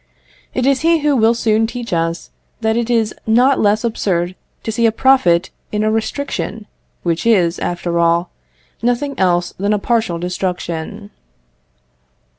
It is he who will soon teach us that it is not less absurd to see a profit in a restriction, which is, after all, nothing else than a partial destruction.